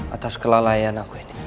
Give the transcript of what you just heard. atas kelalaian aku ini